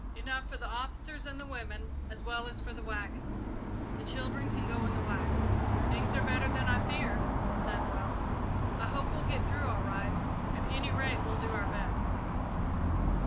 "Enough for the officers and the women, as well as for the waggons. The children can go in the waggons." "Things are better than I feared," said Wells. "I hope we'll get through all right at any rate we'll do our best."